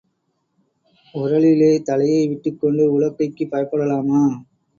உரலிலே தலையை விட்டுக்கொண்டு உலக்கைக்குப் பயப்படலாமா?